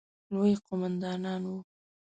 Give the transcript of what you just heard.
لوی قوماندان وو.